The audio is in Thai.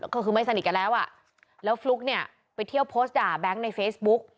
ก็คือไม่สนิทกันแล้วอ่ะแล้วฟลุ๊กเนี่ยไปเที่ยวโพสต์ด่าแบงค์ในเฟซบุ๊ก